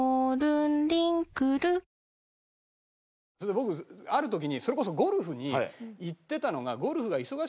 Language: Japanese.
僕ある時にそれこそゴルフに行ってたのが。